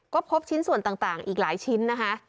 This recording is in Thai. ก็พบชิ้นส่วนต่างอีกหลายชิ้นนะคะ